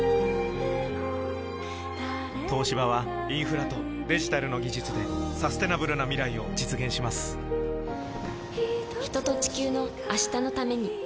東芝はインフラとデジタルの技術でサステナブルな未来を実現します人と、地球の、明日のために。